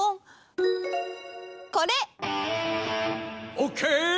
オッケー！